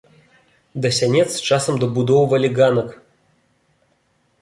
Да сянец часам дабудоўвалі ганак.